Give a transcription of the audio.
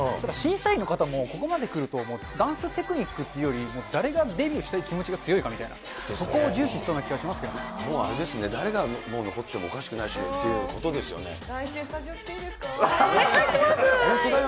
審査員の方もここまで来ると、ダンステクニックっていうより、誰がデビューしたい気持ちが強いかみたいな、そこを重視しそうなもうあれですね、誰が残ってもおかしくないしってことですよね。